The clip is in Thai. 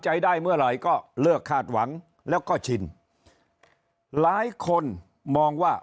ใจได้เมื่อไหร่ก็เลิกคาดหวังแล้วก็ชินหลายคนมองว่า